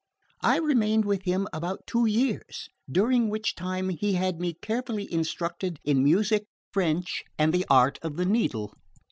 I remained with him about two years, during which time he had me carefully instructed in music, French and the art of the needle.